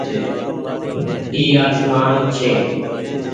اي آسمان ڇي۔